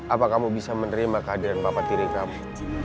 apa kamu bisa menerima kehadiran bapak tiri kamu